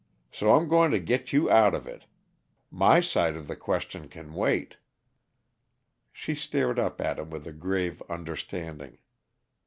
So I'm going to get you out of it. My side of the question can wait." She stared up at him with a grave understanding.